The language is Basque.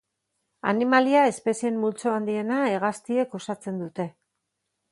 Animalia espezieen multzo handiena hegaztiek osatzen dute.